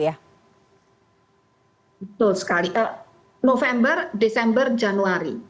betul sekali november desember januari